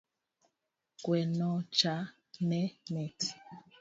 Gwenocha ne mit